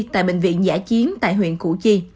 tại bệnh viện giả chiến tại huyện củ chi